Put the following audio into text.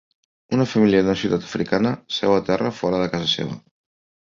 Una família d'una ciutat africana seu a terra fora de casa seva.